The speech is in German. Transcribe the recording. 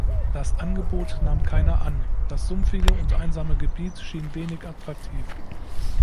Das Angebot nahm keiner an, das sumpfige und einsame Gebiet schien wenig attraktiv.